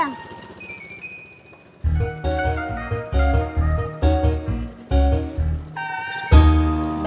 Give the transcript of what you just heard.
bang ini dia